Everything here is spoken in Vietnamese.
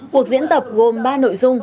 cuộc diễn tập gồm ba nội dung